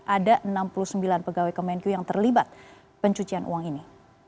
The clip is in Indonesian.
ada enam puluh sembilan pegawai kemenku yang terlibat pencucian uang ini